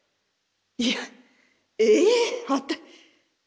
「いやえっ。